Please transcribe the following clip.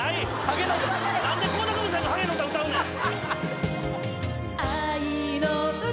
何で倖田來未さんが「ハゲの歌」歌うねん！